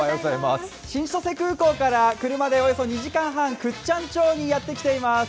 新千歳空港から車でおよそ２時間半倶知安駅にやってきています。